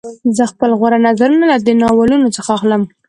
زه خپل غوره نظرونه له دې ناولونو څخه اخلم